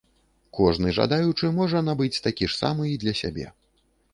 Кожны жадаючы можа набыць такі ж самы і для сябе.